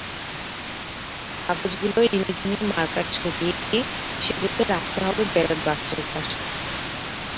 কাগজগুলোয় রিনি-ঝিনির মার্কার ছবি এঁকে সেগুলো রাখতে হবে ব্যালট বাক্সের পাশে।